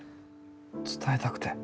伝えたくて。